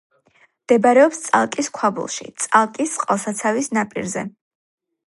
მდებარეობს წალკის ქვაბულში, წალკის წყალსაცავის ნაპირზე.